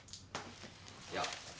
いや。